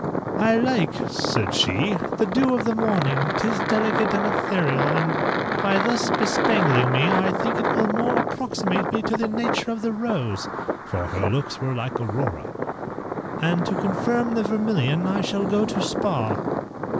"I like," said she, "the dew of the morning, 'tis delicate and ethereal, and, by thus bespangling me, I think it will more approximate me to the nature of the rose [for her looks were like Aurora]; and to confirm the vermilion I shall go to Spa."